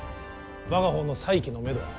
我が方の再起のめどは。